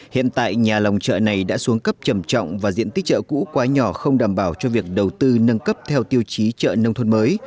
hiện tại nhà lòng chợ này đã xuống cấp trầm trọng và diện tích chợ cũ quá nhỏ không đảm bảo cho việc đầu tư nâng cấp theo tiêu chí chợ nông thôn mới